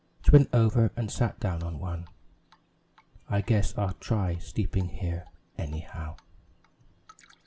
She went over and sat down on one. "I guess I'll try sleeping here, anyhow."